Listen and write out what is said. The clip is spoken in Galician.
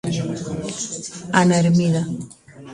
Ana Ermida.